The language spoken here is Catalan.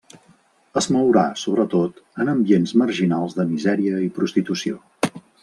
Es mourà, sobretot, en ambients marginals de misèria i prostitució.